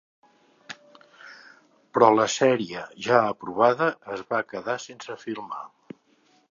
Però la sèrie, ja aprovada, es va quedar sense filmar.